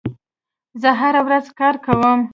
زه هره ورځ کار کوم.